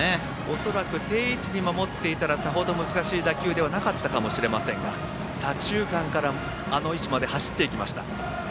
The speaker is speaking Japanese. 恐らく定位置に守っていたらさほど難しい打球ではなかったかもしれませんが左中間からあの位置まで走っていきました。